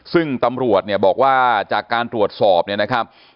ซึ่งตำรวจเนี่ยบอกว่าจากการตรวจสอบเนี่ยนะครับ